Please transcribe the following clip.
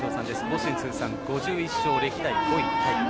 甲子園通算５１勝、歴代５位タイ。